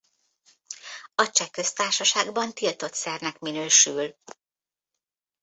A Cseh Köztársaságban tiltott szernek minősül.